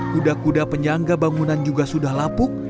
kuda kuda penyangga bangunan juga sudah lapuk